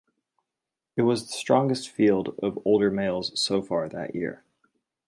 It was the strongest field of older males so far that year.